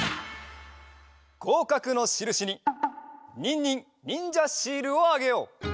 ごうかくのしるしにニンニンにんじゃシールをあげよう。